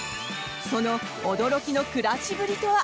その驚きの暮らしぶりとは？